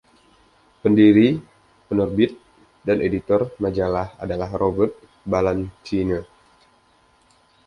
Pendiri, penerbit, dan editor majalah adalah Robert Ballantyne.